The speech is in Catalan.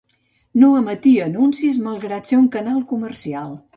No emetia anuncis malgrat ser un canal comercial.